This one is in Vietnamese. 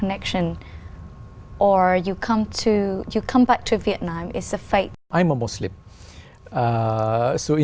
nhưng tôi cần nói rằng khi tôi được bảo vệ để trở về việt nam lại